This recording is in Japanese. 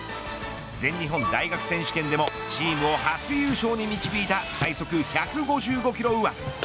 全日本大学選手権でもチームを初優勝に導いた最速１５５キロ右腕。